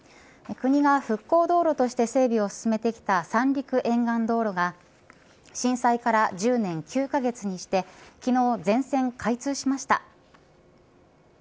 国が復興道路として整備を進めてきた三陸沿岸道路が震災から１０年９カ月にして昨日、全線開通しました。